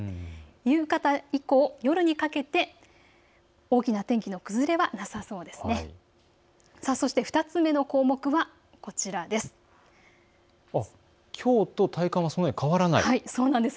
夕方以降、夜にかけて大きな天気の崩れはなさそうです。